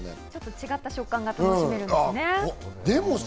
違った食感が楽しめるんですね。